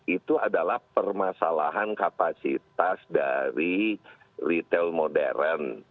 itu adalah permasalahan kapasitas dari retail modern